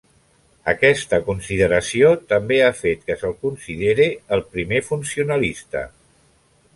Aquesta consideració també ha fet que se'l considere el primer funcionalista.